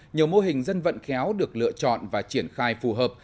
nhiều mô hình dân vận khéo được lựa chọn và triển khai phù hợp